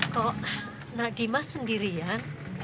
kok nadima sendirian